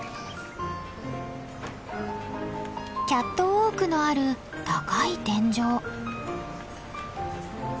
キャットウォークのある高い天井。